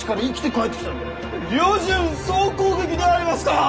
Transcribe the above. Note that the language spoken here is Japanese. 旅順総攻撃でありますか！？